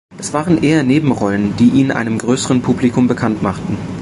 Es waren eher Nebenrollen, die ihn einem größeren Publikum bekannt machten.